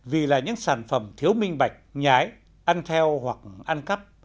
vì là những sản phẩm thiếu minh bạch nhái ăn theo hoặc ăn cắp